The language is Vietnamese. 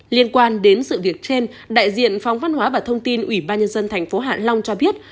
liên quan đến sự việc trên đại diện phòng văn hóa và thông tin ủy ban nhân dân thành phố hạ long cho biết